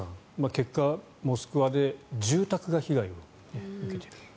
結果、モスクワで住宅が被害を受けているという。